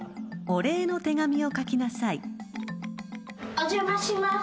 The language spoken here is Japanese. お邪魔します。